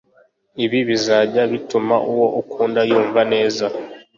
ibi bizajya bituma uwo ukunda yumva neza